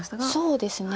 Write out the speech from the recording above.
そうですね